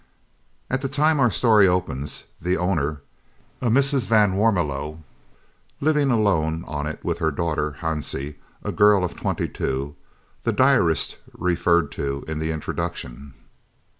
At the time our story opens, the owner, Mrs. van Warmelo, was living alone on it with her daughter, Hansie, a girl of twenty two, the diarist referred to in the Introduction.